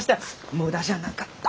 無駄じゃなかった。